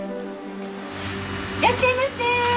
いらっしゃいませ。